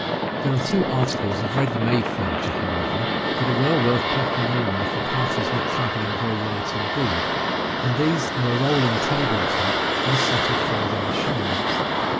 There are two articles of ready made furniture, however, that are well worth packing along if the party is not traveling very light indeed, and these are a rolling table top and a set of folding shelves.